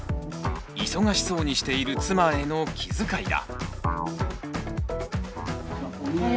忙しそうにしている妻への気遣いだ。